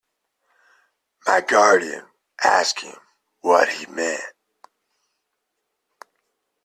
My guardian asked him what he meant.